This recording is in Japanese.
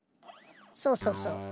そうそうそう。